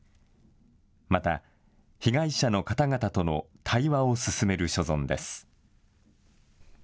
また、被害者の方々との対話を進める所存です。